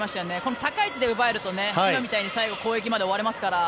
高い位置で奪えると今みたいに攻撃まで終われますから。